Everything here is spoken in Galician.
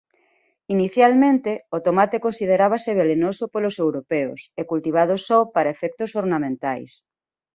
Inicialmente o tomate considerábase velenoso polos europeos e cultivado só para efectos ornamentais.